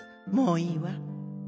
もういいわ。